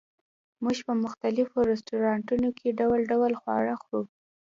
موږ په مختلفو رستورانتونو کې ډول ډول خواړه خورو